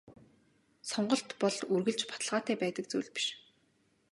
Сонголт бол үргэлж баталгаатай байдаг зүйл биш.